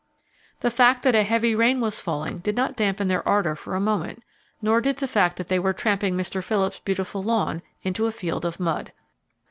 The fact that a heavy rain was falling did not dampen their ardor for a moment, nor did the fact that they were tramping Mr. Phillips' beautiful lawn into a field of mud.